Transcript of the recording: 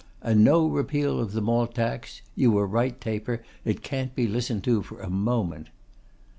'And no repeal of the Malt Tax; you were right, Taper. It can't be listened to for a moment.